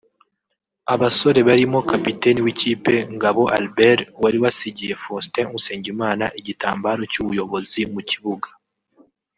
Abasore barimo Kapiteni w’ikipe Ngabo Albert wari wasigiye Faustin Usengimana igitambaro cy’ubuyobozi mu kibuga